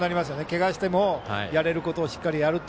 けがをしてもやれることをしっかりやると。